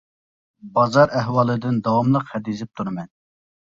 بازار ئەھۋالىدىن داۋاملىق خەت يېزىپ تۇرىمەن.